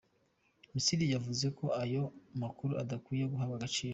Misiri yavuze ko ayo amakuru adakwiye guhabwa agaciro.